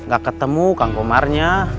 gak ketemu kang komarnya